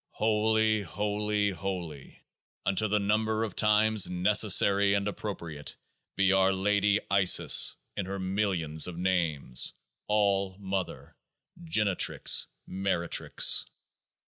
Holy, holy, holy, unto the Number of Times Necessary and Appropriate be OUR LADY Isis in Her Millions of Names, All Mother, Genetrix Meretrix